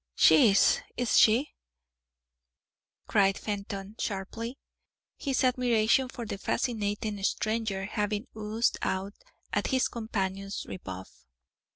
"She is, is she!" cried Fenton, sharply, his admiration for the fascinating stranger having oozed out at his companion's rebuff.